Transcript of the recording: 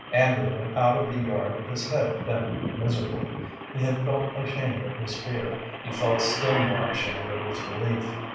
Andrew went out of the yard with his head bent miserably. He had felt ashamed of his fear, he felt still more ashamed of his relief.